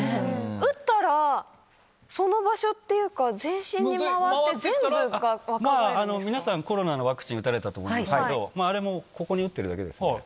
打ったら、その場所っていうか、全身に回って、全部が若返るんで皆さん、コロナのワクチン打たれたと思うんですけれども、あれも、ここに打ってるだけですから。